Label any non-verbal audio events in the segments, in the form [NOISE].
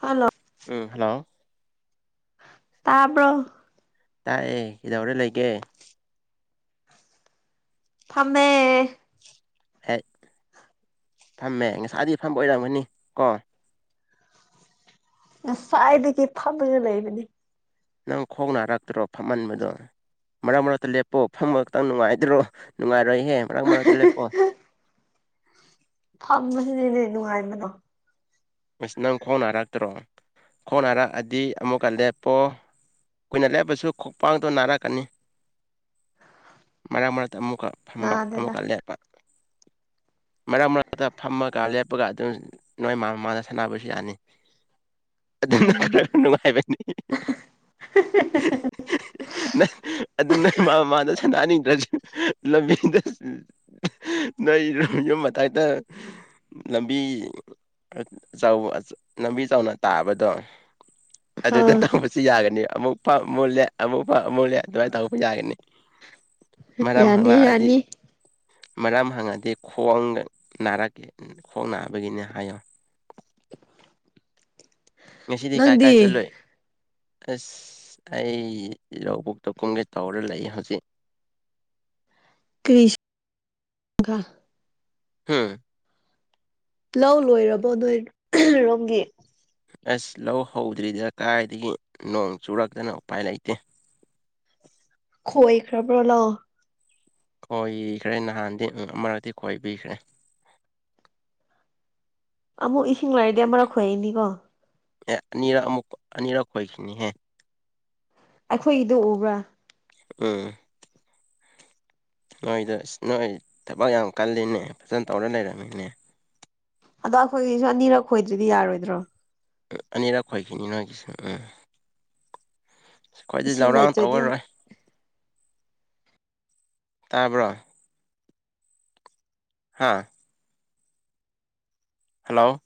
hello um hello ꯇꯥꯕꯔꯣ ꯇꯥꯏꯌꯦ ꯀꯩꯗꯧꯔ ꯂꯩꯒꯦ ꯐꯝꯃꯦ ꯍꯦ ꯐꯝꯃꯦ ꯉꯁꯥꯏꯗꯩ ꯐꯝꯕ ꯑꯣꯏꯔꯝꯒꯅꯤ ꯀꯣ ꯉꯁꯥꯏꯗꯒꯤ ꯐꯝꯃꯒ ꯂꯩꯕꯅꯤ ꯅꯪ ꯈꯣꯡꯅꯔꯛꯇ꯭ꯔꯣ ꯐꯝꯃꯟꯕꯗꯣ ꯃꯔꯛ ꯃꯔꯛꯇ ꯂꯦꯞꯄꯣ ꯐꯝꯃ ꯈꯛꯇꯪ ꯅꯨꯡꯉꯥꯏꯗ꯭ꯔꯣ ꯅꯨꯡꯉꯥꯏꯔꯣꯏꯍꯦ ꯃꯔꯛ ꯃꯔꯛꯇ ꯂꯦꯞꯄꯣ ꯐꯝꯕꯁꯤꯅꯤꯅꯦ ꯅꯨꯡꯉꯥꯏꯕꯅꯣ ꯑꯁ ꯅꯪ ꯈꯣꯡꯅꯥꯔꯛꯇ꯭ꯔꯣ ꯈꯣꯡꯅꯥꯔꯛꯑꯗꯤ ꯑꯃꯨꯛꯀ ꯂꯦꯞꯄꯣ ꯀꯨꯏꯅ ꯂꯦꯞꯄꯁꯨ ꯈꯣꯡꯄꯥꯡꯗꯣ ꯅꯥꯔꯛꯀꯅꯤ ꯃꯔꯛ ꯃꯔꯛꯇ ꯑꯃꯨꯛꯀ ꯐꯝꯕ ꯅꯥꯗꯦꯗ ꯑꯃꯨꯛꯀ ꯂꯦꯞꯄ ꯃꯔꯛ ꯃꯔꯛꯇ ꯐꯝꯃꯒ ꯂꯦꯞꯄꯒ ꯑꯗꯨ ꯅꯣꯏ ꯃꯥ ꯃꯃꯥꯡꯗ ꯁꯥꯟꯅꯕꯁꯨ ꯌꯥꯅꯤ ꯑꯗꯨꯅ ꯈꯔ ꯎꯝ ꯅꯨꯡꯉꯥꯏꯕꯅꯤ ꯅ ꯑꯗꯨ ꯅꯣꯏ ꯃꯥꯃꯥꯡꯗ ꯁꯥꯅꯅꯤꯡꯗ꯭ꯔꯁꯨ ꯂꯝꯕꯦꯟꯗ ꯅꯣꯏ ꯌꯨꯝ ꯃꯇꯥꯏꯇ ꯂꯝꯕꯤ ꯑ ꯆꯧ ꯂꯝꯕꯤ ꯆꯥꯎꯅ ꯇꯥꯕꯗꯣ ꯑꯗꯨꯗ ꯑꯥ ꯇꯧꯕꯁꯨ ꯌꯥꯒꯅꯤ ꯑꯃꯨꯛ ꯑꯃꯨꯂꯦ ꯑꯃꯨꯛ ꯑꯃꯨꯛꯂꯦ ꯑꯗꯨꯃꯥꯏꯅ ꯇꯧꯛꯄ ꯌꯥꯒꯅꯤ ꯃꯔꯝ ꯌꯥꯅꯤ ꯍꯪꯂꯛꯑꯗꯤ ꯌꯥꯅꯤ ꯃꯔꯝ ꯍꯪꯉꯗꯤ ꯈꯣꯡ ꯅꯥꯔꯛꯀꯦ ꯈꯣꯡ ꯅꯥꯕꯒꯤꯅꯦ ꯍꯥꯏꯌꯣ ꯉꯁꯤꯗꯤ ꯀꯥꯏ- ꯅꯪꯗꯤ ꯀꯥꯏ ꯆꯠꯂꯨꯏ ꯑꯁ ꯑꯩ ꯂꯧꯕꯣꯛꯇ ꯀꯨꯝꯒꯦ ꯇꯧꯔ ꯂꯩꯌꯦ ꯍꯧꯖꯤꯛ ꯀ꯭ꯔꯤ [UNINTELLIGIBLE] ꯒ ꯍꯨꯝ ꯂꯧ ꯂꯣꯏꯔꯕꯣ ꯅꯣꯏ ꯔꯣꯝꯒꯤ ꯑꯁ ꯂꯧ ꯍꯧꯗ꯭ꯔꯤꯗ ꯀꯥꯏꯗꯒꯤ ꯅꯣꯡ ꯆꯨꯔꯛꯇꯅ ꯎꯄꯥꯏ ꯂꯩꯇꯦ ꯈꯣꯏꯈ꯭ꯔꯕ꯭ꯔꯣ ꯂꯧ ꯀꯣꯏꯈ꯭ꯔꯦ ꯅꯍꯥꯟꯗꯤ ꯑꯃꯔꯗꯤ ꯀꯣꯏꯕꯤꯈ꯭ꯔꯦ ꯑꯃꯨꯛ ꯏꯁꯤꯡ ꯂꯩꯥꯏꯔꯗꯤ ꯑꯃꯔꯛ ꯈꯣꯏꯒꯅꯤꯀꯣ ꯑꯦ ꯑꯅꯤꯔꯛ ꯑꯃꯨꯛ ꯑꯅꯤꯔꯛ ꯈꯣꯏꯈꯤꯅꯤꯍꯦ ꯑꯩꯈꯣꯏꯒꯤꯗꯨ ꯎꯕ꯭ꯔꯥ ꯎꯝ ꯅꯣꯏꯗ ꯅꯣꯏ ꯊꯕꯛ ꯌꯥꯝ ꯀꯜꯂꯤꯅꯦ ꯐꯖꯟ ꯇꯧꯔ ꯂꯩꯔꯝꯃꯤꯅꯦ ꯑꯗꯣ ꯑꯩꯈꯣꯏꯒꯤꯁꯨ ꯑꯅꯤꯔꯛ ꯈꯣꯏꯗ꯭ꯔꯗꯤ ꯌꯥꯔꯣꯏꯗ꯭ꯔꯣ ꯎꯝ ꯑꯅꯤꯔꯛ ꯈꯣꯏꯈꯤꯅꯤ ꯅꯣꯏꯒꯤꯁꯨ ꯎꯝ ꯑꯩꯈꯣꯏꯗꯤ ꯏꯁꯤꯡ ꯂꯧꯔꯥꯡ ꯂꯩꯇ꯭ꯔꯗꯤ ꯇꯧꯔꯔꯣꯏ ꯇꯥꯕ꯭ꯔꯣ ꯍꯥꯥ ꯍꯜꯂꯣ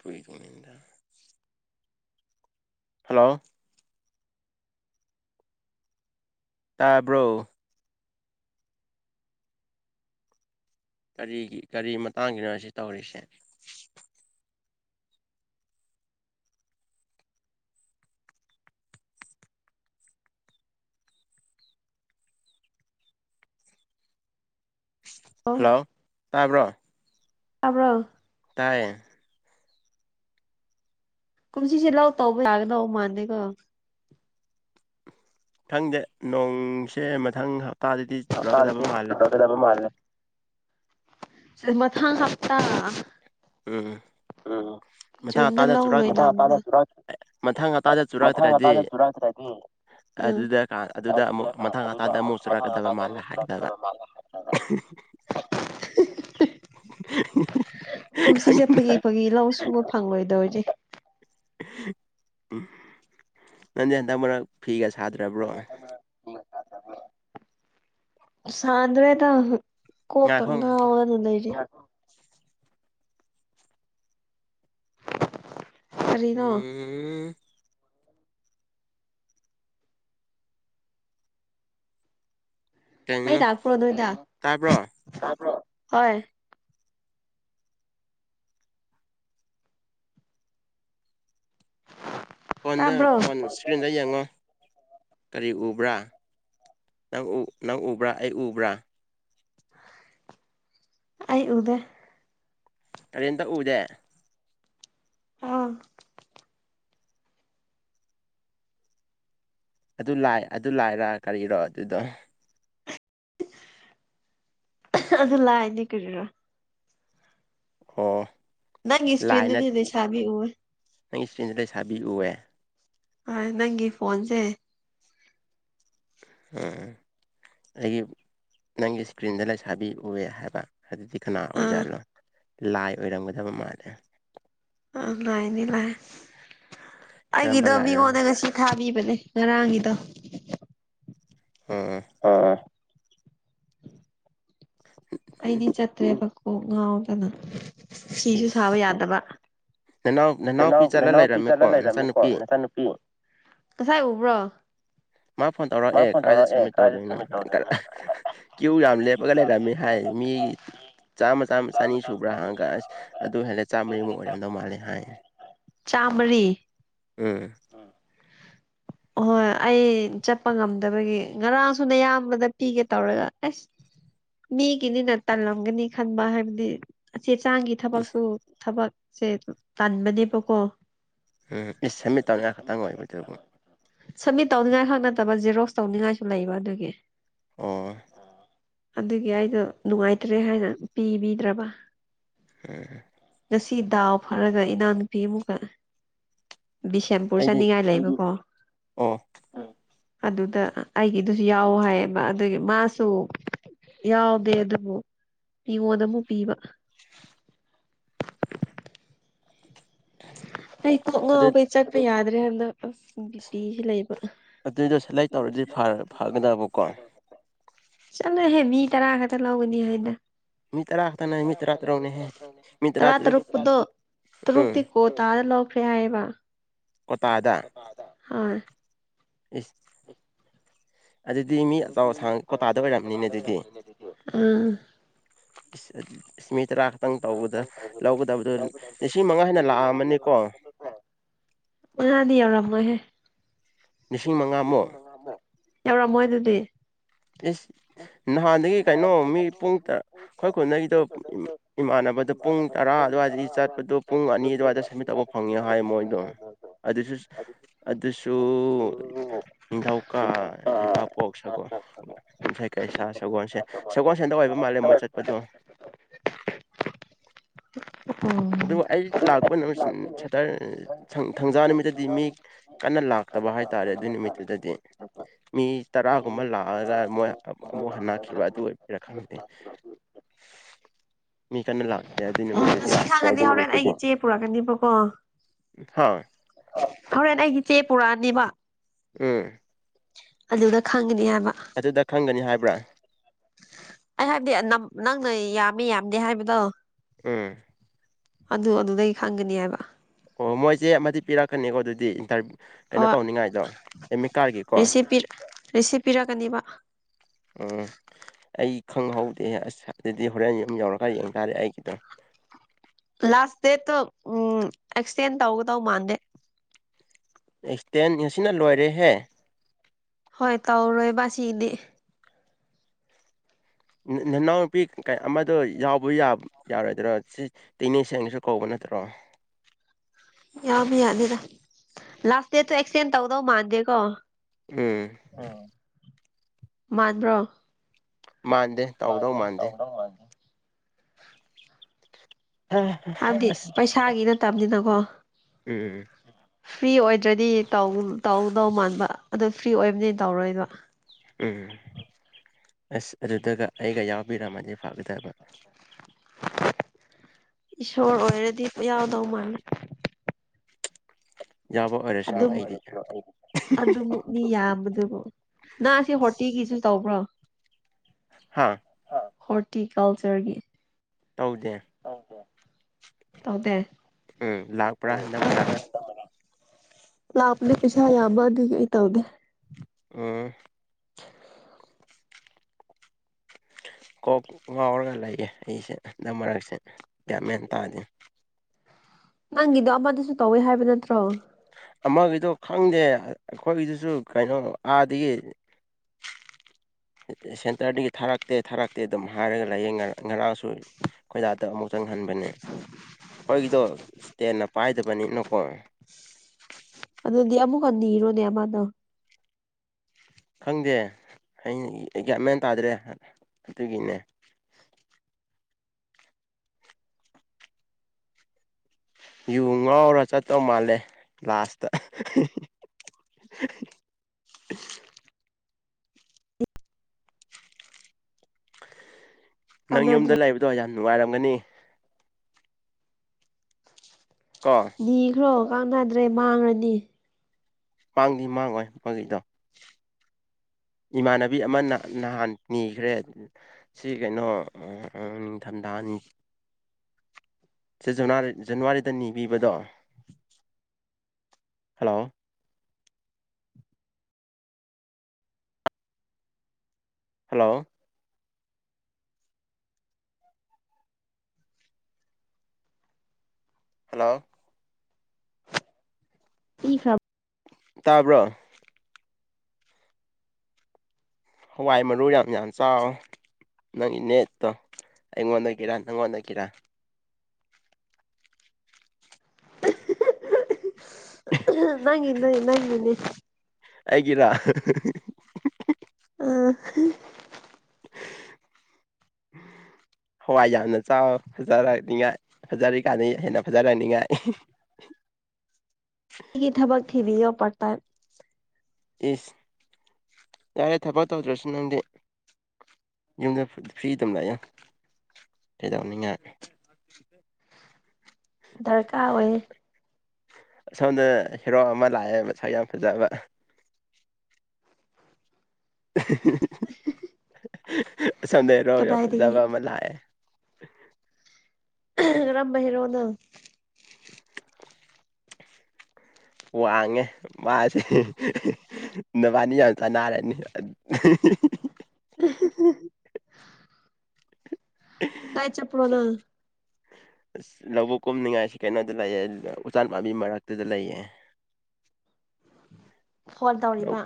ꯄꯨꯔꯤ ꯊꯨꯡꯅꯅꯤꯗ ꯍꯜꯂꯣ ꯇꯥꯕ꯭ꯔꯣ ꯀꯔꯤꯒꯤ ꯀꯔꯤ ꯃꯇꯥꯡꯒꯤꯅꯣ ꯁꯤ ꯇꯧꯔꯤꯁꯦ ꯍꯜꯂꯣ ꯇꯥꯕ꯭ꯔꯣ ꯇꯥꯕ꯭ꯔꯣ ꯇꯥꯏꯌꯦ ꯀꯨꯝꯁꯤꯁꯦ ꯂꯧ ꯇꯧꯕ ꯌꯥꯒꯗꯧ ꯃꯥꯟꯗꯦꯀꯣ ꯈꯪꯗꯦ ꯅꯣꯡꯁꯦ ꯃꯊꯪ ꯍꯞ ꯇꯥꯗꯗꯤ [UNINTELLIGIBLE] [UNINTELLIGIBLE] ꯃꯥ ꯃꯊꯪ ꯍꯞꯇꯥ ꯎꯝ ꯎꯝ ꯃꯊꯪ ꯨꯖꯨꯟꯗ ꯍꯞꯇꯥꯗ ꯆꯨꯔꯛꯇ꯭ꯔ ꯂꯧꯂꯣꯢꯅꯕꯅꯤ ꯃꯊꯪ ꯍꯞꯇꯥꯗ ꯃꯊꯪ ꯍꯞꯇꯥꯗ [UNINTELLIGIBLE] ꯆꯨꯔꯛꯇ꯭ꯔꯗꯤ ꯑꯗꯨꯔꯛꯇ꯭ꯔꯗꯤ ꯎꯝ ꯑꯗꯨꯗ ꯀꯥꯟ ꯑꯗꯨꯗ ꯑꯃꯨꯛ ꯃꯊꯪ ꯑꯗꯨꯗ ꯍꯞꯇꯥꯗ ꯑꯃꯨꯛ [UNINTELLIGIBLE] ꯆꯨꯔꯛꯀꯗꯕ ꯍꯗ ꯃꯥꯜꯂꯦ ꯍꯥꯏꯒꯗꯕ ꯃꯨꯁꯒ ꯃꯥ ꯍꯥꯏ [UNINTELLIGIBLE] ꯀꯨꯝꯁꯤꯁꯦ ꯈꯪꯉꯤꯅ ꯐꯒꯤ- ꯐꯥꯒꯤ ꯂꯧ ꯁꯨꯕ ꯐꯪꯂꯣꯏꯗꯧꯔꯤ ꯎꯝ ꯅꯟꯖꯦ ꯍꯟꯗꯛ ꯃꯔꯛ ꯐꯤꯒ ꯁꯥꯗ꯭ꯔ ꯁꯥꯗ꯭ꯔꯦꯗ ꯀꯣꯛ ꯀ ꯉꯥꯏꯈꯣ ꯉꯥꯏꯈꯣ ꯉꯥꯎꯔꯅ ꯂꯩꯔꯤ ꯀꯔꯤꯅꯣ ꯎꯝ ꯃꯩ ꯀꯩꯅꯣ ꯂꯛꯄꯔꯣ ꯑꯗꯨꯗ ꯇꯥꯕ꯭ꯔꯣ ꯇꯥꯕ꯭ꯔꯣ ꯍꯣꯏ ꯀꯣꯟꯗ ꯇꯥꯕ꯭ꯔꯣ ꯐꯣꯟ ꯏꯁꯀ꯭ꯔꯤꯟꯗ ꯌꯦꯡꯉꯣ ꯀꯔꯤ ꯎꯕ꯭ꯔꯥ ꯅꯪ ꯎ ꯅꯪ ꯎꯕ꯭ꯔꯥ ꯑꯩ ꯎꯕ꯭ꯔꯥ ꯑꯩ ꯎꯗꯦ ꯇꯥꯔꯦꯟꯇ ꯎꯗꯦ ꯑꯥ ꯑꯗꯨ ꯂꯥꯏ ꯑꯗꯨ ꯂꯥꯏꯔ ꯀꯔꯤꯔꯣ ꯑꯗꯨꯗꯣ ꯑꯗꯨ ꯂꯥꯏꯅꯦ ꯀꯤꯔꯤꯔꯣ ꯑꯣ ꯅꯪꯒꯤ ꯂꯥꯏꯅ ꯏꯁꯀꯔꯤꯟꯗꯨꯗꯤ ꯂꯩꯁꯕꯤ ꯎꯋꯦ ꯅꯪꯒꯤ ꯏꯁꯇ꯭ꯔꯦꯟꯁꯤꯗ ꯂꯩꯁꯥꯕꯤꯎꯋꯦ ꯍꯣꯏ ꯅꯪꯒꯤ ꯐꯣꯟꯁꯦ [UNINTELLIGIBLE] ꯑꯩꯒꯤ ꯅꯪꯒꯤ ꯏꯁꯀ꯭ꯔꯤꯟꯗ ꯂꯩꯁꯥꯕꯤ ꯎꯑꯦ ꯍꯥꯏꯕ ꯑꯗꯨꯗꯤ ꯀꯅꯥ ꯑꯥ ꯑꯣꯏꯖꯥꯠꯅꯣ ꯂꯥꯏ ꯑꯣꯏꯔꯝꯒꯗꯕ ꯃꯥꯜꯂꯦ ꯑꯥ ꯑꯥ ꯂꯥꯏꯅꯤ ꯂꯥꯏ ꯀꯔꯝꯕ ꯑꯩꯒꯤꯗꯣ ꯂꯥꯏꯔꯣ ꯃꯤꯉꯣꯟꯗ ꯉꯁꯤ ꯊꯥꯕꯤꯕꯅꯦ ꯉꯔꯥꯡꯒꯤꯗꯣ [UNINTELLIGIBLE] ꯑꯥ ꯑꯩꯗꯤ ꯆꯠꯇ꯭ꯔꯦꯕ ꯀꯣꯛ ꯉꯥꯎꯗꯅ ꯐꯤꯁꯨ ꯁꯥꯕ ꯏꯁ ꯌꯥꯗꯕ ꯅꯅꯥꯎ ꯅꯅꯥꯎꯄꯤ ꯅꯅꯥꯎ ꯆꯠꯂ ꯅꯅꯥꯎꯄꯤ ꯆꯠꯂ ꯂꯩꯔꯝꯃꯦꯀꯣ ꯂꯩꯔꯝꯃꯦꯀꯣ ꯅꯆꯥꯅꯨꯄꯤ ꯅꯆꯥꯅꯨꯄꯤ ꯉꯁꯥꯏ ꯎꯕ꯭ꯔꯣ ꯃꯥ ꯐꯣꯟ ꯇꯧꯔꯛ ꯑꯦ ꯀꯥꯏꯗ ꯁꯝꯃꯤꯠ ꯇꯧꯗꯣꯏꯅꯣ ꯀ꯭ꯌꯨ ꯌꯥꯝ ꯂꯦꯞꯄꯒ ꯂꯩꯔꯝꯃꯤ ꯍꯥꯏ ꯃꯤ ꯆꯥꯝꯃ ꯆꯥꯝꯃ ꯆꯅꯤ ꯁꯨꯕ꯭ꯔꯥ ꯍꯥꯡꯉꯒ ꯑꯁ ꯑꯗꯨ ꯍꯦꯜꯂꯦ ꯆꯥꯝꯃꯔꯤꯃꯨꯛ ꯑꯣꯏꯔꯝꯗꯧ ꯃꯥꯜꯂꯦ ꯍꯥꯏ ꯆꯥꯃꯔꯤ ꯎꯝ ꯍꯣꯏ ꯑꯩ ꯆꯠꯄ ꯉꯝꯗꯕꯒꯤ ꯉꯔꯥꯡꯁꯨꯅꯌꯥꯝꯕꯗ ꯄꯤꯒꯦ ꯇꯧꯔꯒ ꯑꯦꯁ ꯃꯤꯒꯤꯅꯤꯅ ꯇꯜꯂꯝꯒꯅꯤ ꯈꯟꯕ ꯍꯥꯏꯕꯗꯤ ꯆꯦ ꯆꯥꯡꯒꯤ ꯏꯁ ꯊꯕꯛꯁꯨ ꯊꯕꯛꯁꯦ ꯇꯟꯕꯅꯦꯕꯀꯣ ꯎꯝ ꯏꯁ ꯁꯃꯤꯠ ꯇꯧꯅꯤꯉꯥꯏ ꯈꯛꯇꯪ ꯑꯣꯏꯕꯗꯨꯕꯨ ꯁꯃꯤꯠ ꯇꯧꯅꯤꯉꯥꯏ ꯈꯛ ꯅꯠꯇꯕ ꯖꯦꯔꯣꯛꯁ ꯇꯧꯅꯤꯉꯥꯏꯁꯨ ꯂꯩꯕ ꯑꯗꯨꯒꯤ ꯑꯣ ꯑꯗꯨꯒꯤ ꯑꯩꯗꯣ ꯅꯨꯡꯉꯥꯏꯇ꯭ꯔꯦ ꯍꯥꯏꯅ ꯄꯤꯕꯤꯗ꯭ꯔꯕ ꯎꯝ ꯉꯁꯤ ꯗꯥꯎ ꯐꯔꯒ ꯏꯅꯥꯎꯅꯨꯄꯤ ꯑꯃꯨꯛꯀ ꯕꯤꯁꯦꯝꯄꯨꯔ ꯑꯩꯗꯤ ꯆꯥꯅꯤꯡꯉꯥꯏ ꯂꯩꯕꯀꯣ ꯑꯣ ꯑꯗꯨꯗ ꯑꯩꯒꯤꯗꯨꯁꯨ ꯌꯥꯎ ꯍꯥꯏꯌꯦꯕ ꯑꯗꯨꯒꯤ ꯃꯥꯁꯨ ꯌꯥꯎꯗꯦ ꯑꯗꯨꯕꯨ ꯃꯤꯉꯣꯟꯗ ꯑꯃꯨꯛ ꯄꯤꯕ ꯑꯩ ꯀꯣꯛ ꯑꯗꯨ ꯉꯥꯎꯏ ꯆꯛꯄꯥ ꯌꯥꯗ꯭ꯔꯦ ꯍꯟꯗꯛ ꯑꯁ ꯕꯤꯄꯤꯁꯤ ꯂꯩꯕ ꯑꯗꯨꯏꯗꯣ ꯁꯦꯂꯦꯛ ꯇꯧꯔꯗꯤ ꯐꯒꯗꯕꯀꯣ [UNINTELLIGIBLE] ꯆꯠꯂꯣꯍꯦ ꯃꯤ ꯇꯔꯥ ꯈꯛꯇ ꯂꯧꯒꯅꯤ ꯍꯥꯏꯅ ꯃꯤ ꯇꯔꯥ ꯈꯛꯇꯪꯅꯦ ꯃꯤ ꯇꯔꯥ ꯇꯔꯨꯛꯅꯦꯍꯦ ꯃꯤ [UNINTELLIGIBLE] ꯇꯔꯥ ꯇꯔꯨꯛ ꯇꯔꯨꯛꯄꯨꯗꯣ ꯎꯝ ꯇꯔꯨꯛꯇꯤ ꯀꯣꯇꯥꯗ ꯂꯧꯈ꯭ꯔꯦ ꯍꯥꯏꯌꯦꯕ ꯀꯣꯇꯥꯗ ꯍꯣꯏ ꯏꯁ [UNINTELLIGIBLE] ꯑꯗꯨꯗꯤ ꯃꯤ ꯑꯆꯧ ꯑꯁꯥꯡ ꯀꯣꯇꯥꯗ ꯑꯣꯏꯔꯝꯅꯤꯅꯦ ꯑꯗꯨꯗꯤ ꯎꯝ [UNINTELLIGIBLE] ꯏꯁ ꯃꯤ ꯇꯔꯥ ꯈꯛꯇꯪ ꯇꯧꯕꯗ ꯂꯧꯒꯗꯕꯗꯨ ꯂꯤꯁꯤꯡ ꯃꯉꯥ ꯍꯦꯟꯅ ꯂꯥꯛꯑꯝꯃꯅꯤꯀꯣ ꯃꯉꯥꯗꯤ ꯌꯧꯔꯝꯃꯣꯏ ꯍꯦ ꯂꯤꯁꯤꯡ ꯃꯉꯥꯃꯨꯛ ꯌꯥꯎꯔꯝꯃꯣꯏ ꯑꯗꯨꯗꯤ ꯏꯁ ꯅꯍꯥꯟꯗꯒꯤ ꯀꯩꯅꯣ ꯃꯤ ꯄꯨꯡꯇ ꯈꯣꯏ ꯈꯨꯟꯗꯩꯗꯣ ꯏꯃꯥꯟꯅꯕꯗꯨ ꯄꯨꯡ ꯇꯔꯥ ꯑꯗꯨꯋꯥꯏꯗꯒꯤ ꯆꯠꯄꯗꯨ ꯄꯨꯡ ꯄꯨꯡ ꯑꯅꯤ ꯑꯗꯨꯋꯥꯏꯗ ꯁꯃꯤꯠ ꯇꯧꯕ ꯐꯪꯉꯦ ꯍꯥꯏ ꯃꯣꯏꯗꯣ ꯑꯗꯨꯁꯨ ꯑꯗꯨꯁꯨ ꯅꯤꯡꯊꯧꯀꯥ ꯂꯩꯕꯥꯛꯄꯣꯛ ꯁꯒꯣ ꯌꯨꯝꯁꯩꯀꯩꯁꯥ ꯁꯒꯣꯜꯁꯦꯟ ꯁꯒꯣꯜꯁꯦꯟꯗ ꯑꯣꯏꯕ ꯃꯥꯜꯂꯦ ꯃꯣꯏ ꯆꯠꯄꯗꯣ ꯎꯝ ꯑꯗꯨꯕꯨ ꯑꯩ ꯂꯥꯛꯄ ꯅꯨꯃꯤꯠ ꯁꯇꯔ ꯁꯪ ꯊꯥꯡꯖꯥ ꯅꯨꯃꯤꯠꯇꯗꯤ ꯃꯤ ꯀꯟꯅ ꯂꯥꯛꯇꯕ ꯍꯥꯏꯇꯥꯔꯦ ꯑꯗꯨꯏ ꯅꯨꯃꯤꯠꯇꯨꯗꯗꯤ ꯃꯤ ꯇꯔꯥꯒꯨꯝꯕ ꯂꯥꯛꯑꯔ ꯃꯣꯏ ꯑꯃꯨꯛ ꯍꯟꯅꯈꯤꯕ ꯑꯗꯨ ꯑꯣꯏꯕꯩꯔ ꯈꯪꯗꯦ [INAUDIBLE] ꯃꯤ ꯀꯟꯅ ꯂꯥꯛ ꯑꯣ ꯉꯁꯤ ꯈꯪꯉꯗꯤ ꯍꯣꯔꯦꯟ ꯑꯩꯒꯤ ꯆꯦ ꯄꯨꯔꯛꯀꯅꯤꯕꯀꯣ ꯍꯥ ꯍꯧꯔꯦꯟ ꯑꯩꯒꯤꯆꯦ ꯄꯨꯔꯥꯛꯑꯥꯅꯤꯕ ꯎꯝ ꯑꯗꯨꯗ ꯈꯪꯒꯅꯤ ꯍꯥꯏꯕ ꯑꯗꯨꯗ ꯈꯪꯒꯅꯤ ꯍꯥꯏꯕ꯭ꯔꯥ ꯑꯩ ꯍꯥꯏꯕꯗꯤ ꯅꯪꯅ ꯌꯥꯝꯃꯤ ꯌꯥꯝꯗꯦ ꯍꯥꯏꯕꯗꯣ ꯎꯝ ꯑꯗꯨ ꯑꯗꯨꯗꯩ ꯈꯪꯒꯅꯤ ꯍꯥꯏꯕ ꯑꯣ ꯃꯣꯏ ꯆꯦ ꯑꯃꯗꯤ ꯄꯤꯔꯛꯀꯅꯤꯀꯣ ꯑꯗꯨꯗꯤ ꯏꯟꯇꯔ ꯀꯩꯅꯣ ꯍꯣꯏ ꯇꯧꯅꯤꯡꯉꯥꯏꯗꯣ ꯑꯦꯃꯤꯀꯥꯔꯒꯤꯀꯣ ꯔꯤꯁꯤꯞ ꯄꯤ ꯔꯤꯁꯤꯞ ꯄꯤꯔꯛꯀꯅꯤꯕ ꯎꯝ ꯑꯩ ꯈꯪꯍꯧꯗꯦ ꯑꯁ ꯑꯗꯨꯗꯤ ꯍꯣꯔꯦꯟ ꯌꯨꯝ ꯌꯧꯔꯀꯥꯟ ꯌꯦꯡ ꯇꯥꯔꯦ ꯑꯩꯒꯤꯗꯣ ꯂꯥꯁ ꯗꯦꯠꯇꯣ ꯎꯝ ꯑꯦꯛꯁꯇꯦꯟ ꯇꯧꯒꯗꯧ ꯃꯥꯟꯗꯦ ꯑꯦꯛꯁꯇꯦꯟ ꯉꯁꯤꯅ ꯂꯣꯏꯔꯦꯍꯦ ꯍꯣꯏ ꯇꯧꯔꯣꯏꯕ ꯑꯁꯤꯗꯤ ꯅ ꯅꯅꯥꯎꯅꯨꯄꯤ ꯀꯩ ꯑꯃꯗꯣ ꯌꯥꯎꯕ ꯌꯥꯕ ꯌꯥꯔꯣꯏꯗ꯭ꯔꯣ ꯁꯤ ꯇꯤꯅꯦ ꯁꯦꯟꯅꯒꯤꯁꯨ ꯀꯧꯕ ꯅꯠꯇ꯭ꯔꯣ ꯌꯥꯕ ꯌꯥꯅꯤꯗ ꯂꯥꯛꯇꯦ ꯑꯗꯨ ꯑꯦꯛꯁꯇꯦꯟ ꯇꯧꯗꯧ ꯃꯥꯟꯗꯦꯀꯣ ꯎꯝ ꯃꯥꯟꯕꯔꯣ ꯃꯥꯟꯗꯦ ꯇꯧꯗꯧ ꯃꯥꯟꯗꯦ ꯍꯥꯏꯕꯗꯤ ꯑꯁ ꯄꯩꯁꯥꯒꯤ ꯅꯠꯇꯕꯅꯤꯅꯀꯣ ꯎꯝ ꯐ꯭ꯔꯤ ꯑꯣꯏꯗ꯭ꯔꯗꯤ ꯇꯧ ꯇꯧꯗꯧ ꯃꯥꯟꯕ ꯑꯗꯨ ꯐ꯭ꯔꯤ ꯑꯣꯏꯕꯅꯤ ꯇꯧꯔꯣꯏꯕ ꯎꯝ ꯑꯁ ꯑꯗꯨꯗꯒ ꯑꯩꯒ ꯌꯥꯎꯕꯤꯔꯝꯃꯗꯤ ꯐꯥꯒꯗꯕ ꯏꯁꯣꯔ ꯑꯣꯏꯔꯗꯤ ꯌꯥꯎꯗꯧ ꯃꯥꯜꯂꯦ ꯌꯥꯕ ꯑꯣꯏꯔꯦ ꯑꯗꯨꯝ ꯑꯗꯨꯃꯨꯛ ꯃꯤ ꯌꯥꯝꯕꯗꯨꯕꯨ ꯅꯪ ꯑꯁꯤ ꯍꯣꯔꯇꯤꯒꯤꯁꯨ ꯇꯧꯕ꯭ꯔꯣ ꯍꯥꯥ ꯍꯣꯔꯇꯤꯀꯜꯆꯔꯒꯤ ꯇꯧꯗꯦ ꯇꯧꯗꯦ ꯎꯝ ꯂꯥꯛꯄ꯭ꯔꯥ ꯍꯟꯗꯛ ꯃꯔꯛ ꯂꯥꯞꯄꯅꯦ ꯄꯩꯁꯥ ꯌꯥꯝꯕ ꯑꯗꯨ ꯑꯩ ꯇꯧꯗꯦ ꯎꯝ [INAUDIBLE] ꯀꯣꯛ ꯉꯥꯎꯔꯒ ꯂꯩꯌꯦ ꯑꯩꯁꯦ ꯍꯟꯗꯛ ꯃꯔꯛꯁꯦ ꯒꯌ꯭ꯥꯟ ꯃꯦꯟ ꯇꯥꯗꯦ ꯅꯪꯒꯤꯗꯣ ꯑꯃꯗꯁꯨ ꯇꯧꯋꯦ ꯍꯥꯏꯕ ꯅꯠꯇ꯭ꯔꯣ ꯑꯃꯒꯤꯗꯣ ꯈꯪꯗꯦ ꯑꯩꯈꯣꯏꯒꯤꯗꯨꯁꯨ ꯀꯩꯅꯣ ꯑꯥꯗꯒꯤ ꯁꯦꯟꯇꯔꯗꯒꯤ ꯊꯥꯔꯛꯇꯦ ꯊꯥꯔꯛꯇꯦ ꯑꯗꯨꯝ ꯍꯥꯏꯔꯒ ꯂꯩꯌꯦ ꯉꯔꯥꯡꯁꯨ ꯈꯣꯏ ꯗꯥꯗꯥ ꯑꯃꯨꯛ ꯆꯪꯍꯟꯕꯅꯦ ꯃꯣꯏꯒꯤꯗꯣ ꯏꯁꯇꯦꯟꯅ ꯄꯥꯏꯗꯕꯅꯤꯅꯀꯣ ꯑꯗꯨꯗꯤ ꯑꯃꯨꯛ ꯅꯤꯔꯣꯅꯦ ꯑꯃꯥꯗꯣ ꯈꯪꯗꯦ ꯑꯩ ꯒꯌ꯭ꯥꯟꯃꯦꯟ ꯇꯥꯗ꯭ꯔꯦ ꯑꯗꯨꯒꯤꯅꯦ ꯌꯨ ꯉꯥꯎꯔ ꯆꯠꯇꯧ ꯃꯥꯜꯂꯦ ꯂꯥꯁꯇ [UNINTELLIGIBLE] ꯅꯪ ꯀꯥꯟꯅꯗ꯭ꯔꯦ ꯌꯨꯝꯗ ꯂꯩꯕꯗꯣ ꯌꯥꯝ ꯅꯨꯡꯉꯥꯏꯔꯝꯒꯅꯤ ꯀꯣ ꯅꯤꯈ꯭ꯔꯣ ꯀꯥꯟꯅꯗ꯭ꯔꯦ ꯃꯥꯡꯉꯅꯤ ꯃꯥꯡꯗꯤ ꯃꯥꯡꯉꯣꯏ ꯑꯗꯨꯏꯗꯣ ꯏꯃꯥꯟꯅꯕꯤ ꯑꯃꯥꯅ ꯅꯍꯥꯟ ꯅꯤꯈ꯭ꯔꯦ ꯁꯤ ꯀꯩꯅꯣ ꯑꯥ ꯅꯤꯡꯊꯝꯇꯅꯤ ꯁꯤ ꯖꯟꯅꯋꯥꯔꯤ ꯖꯟꯅꯋꯥꯔꯤꯗ ꯅꯤ ꯅꯤꯕꯗꯣ ꯍꯜꯂꯣ ꯍꯜꯂꯣ ꯍꯜꯂꯣ [UNINTELLIGIBLE] ꯇꯥꯕ꯭ꯔꯣ ꯍꯋꯥꯏ ꯃꯔꯨ ꯌꯥꯝ ꯌꯥꯝ ꯆꯥꯎ ꯅꯪꯒꯤ ꯅꯦꯠꯇꯣ ꯑꯩꯉꯣꯟꯗꯒꯤꯔ ꯅꯪꯉꯣꯟꯗꯒꯤꯔ [UNINTELLIGIBLE] ꯅꯪꯒꯤꯅꯤ ꯅꯪꯒꯤꯅꯤ ꯑꯩꯒꯤꯔ ꯑꯥ [INAUDIBLE] ꯍꯋꯥꯏ ꯌꯥꯝꯅ ꯆꯥꯎ ꯐꯖꯔꯛꯅꯤꯉꯥꯏ ꯐꯖꯔꯤꯀꯥꯟꯗ ꯍꯦꯟꯅ ꯐꯖꯔꯛꯅꯤꯉꯥꯏ ꯑꯩꯒꯤ ꯊꯥꯕꯛ ꯊꯤꯕꯤꯋꯣ ꯄꯔꯠ ꯇꯥꯝ ꯑꯤꯁ ꯌꯥꯔꯦ ꯊꯥꯕꯛ ꯇꯧꯗ꯭ꯔꯁꯨ ꯅꯪꯗꯤ ꯌꯨꯝꯗ ꯐ꯭ꯔꯤ ꯑꯗꯨꯝ ꯂꯩꯑꯣ ꯀꯩꯗꯧꯅꯤꯡꯉꯥꯏ ꯗꯔꯀꯥꯔ ꯑꯣꯏꯌꯦ ꯑꯁꯣꯝꯗ ꯍꯦꯔꯣ ꯑꯃ ꯂꯥꯛꯑꯦ ꯃꯁꯛ ꯌꯥꯝ ꯐꯖꯕ ꯑꯁꯣꯝꯗ ꯍꯦꯔꯣ ꯌꯥꯝ ꯀꯗꯥꯏꯗꯒꯤ ꯐꯖꯕ ꯑꯃ ꯂꯥꯛꯑꯦ ꯀꯔꯝꯕ ꯍꯦꯔꯣꯅꯣ ꯋꯥꯡꯉꯦ ꯃꯥꯁꯦ ꯅꯕꯥꯟꯅꯤ ꯌꯥꯝ ꯆꯅꯥꯔꯅꯤ [UNINTELLIGIBLE] [INAUDIBLE] ꯀꯥꯏ ꯆꯠꯄꯔꯣ ꯅꯪ ꯑꯁ ꯂꯧꯕꯨꯛ ꯀꯨꯝꯅꯤꯡꯉꯥꯏꯁꯤ ꯀꯩꯅꯣꯗ ꯂꯩꯏ ꯎꯆꯥꯟ ꯄꯥꯝꯕꯤ ꯃꯔꯛꯇꯨꯗ ꯂꯩꯌꯦ ꯐꯣꯟ ꯂꯧ ꯇꯧꯔꯤꯕ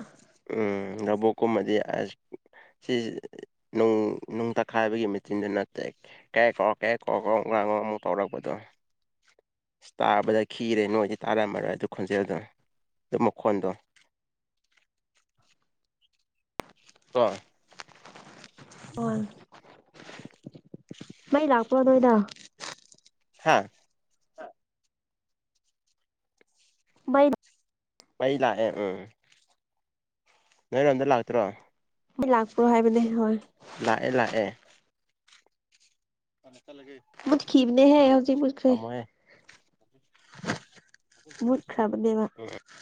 ꯎꯝ ꯂꯕꯨꯛꯀꯨꯝꯃꯗꯤ ꯑꯁ ꯁꯤ ꯅꯨꯡ ꯅꯨꯡ ꯇꯛꯈꯥꯏꯕꯒꯤ ꯃꯦꯆꯤꯟꯗꯨꯅ ꯇꯛꯑꯦ ꯀꯦꯛ ꯀꯣꯀ ꯀꯦꯛ ꯀꯣꯛ [UNINTELLIGIBLE] ꯑꯃꯨꯛ ꯇꯧꯔꯛꯄꯗꯣ ꯇꯥꯕꯗ ꯈꯤꯔꯦ ꯅꯣꯏꯗꯤ ꯇꯥꯔꯝꯃꯔꯣꯏ ꯑꯗꯨ ꯈꯣꯟꯖꯦꯜꯗꯣ ꯑꯗꯨ ꯃꯈꯣꯟꯗꯣ ꯀꯣ ꯈꯣꯏ ꯃꯩ ꯂꯥꯛꯄꯔꯣ ꯅꯣꯏꯗ ꯍꯥꯥ ꯃꯩ ꯃꯩ ꯂꯥꯛꯑꯦ ꯎꯝ ꯅꯣꯏꯔꯣꯝꯗ ꯂꯥꯛꯇ꯭ꯔꯣ ꯃꯩ ꯂꯥꯛꯄ꯭ꯔꯣ ꯍꯥꯏꯕꯅꯦ ꯍꯣꯏ ꯂꯥꯛꯑꯦ ꯂꯥꯛꯑꯦ ꯆꯠꯂꯒꯦ ꯃꯨꯠꯈꯤꯕꯅꯦꯍꯦ ꯍꯧꯖꯤꯛ ꯃꯨꯠꯈ꯭ꯔꯦ [INAUDIBLE] ꯃꯨꯠꯈ꯭ꯔꯕꯅꯦꯕ ꯎꯝ